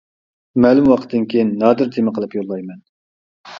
مەلۇم ۋاقىتتىن كىيىن نادىر تېما قىلىپ يوللايمەن.